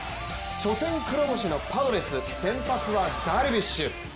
初戦黒星のパドレス先発はダルビッシュ。